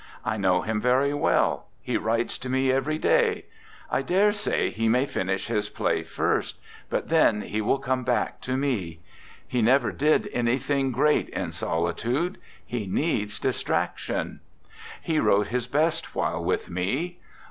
I know him very well; he writes to me every day. I dare say he may finish his play first, but then he will come back to me. He never did anything great in solitude, he needs distractions. He wrote 61 RECOLLECTIONS OF OSCAR WILDE his best while with me.